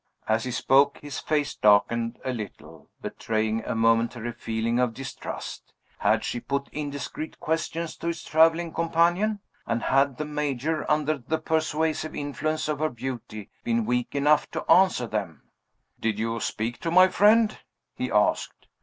As he spoke, his face darkened a little, betraying a momentary feeling of distrust. Had she put indiscreet questions to his traveling companion; and had the Major, under the persuasive influence of her beauty, been weak enough to answer them? "Did you speak to my friend?" he asked.